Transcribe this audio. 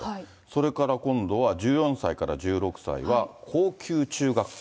それから今度は１４歳から１６歳は、高級中学校。